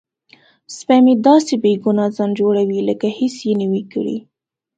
سپی مې داسې بې ګناه ځان جوړوي لکه هیڅ یې نه وي کړي.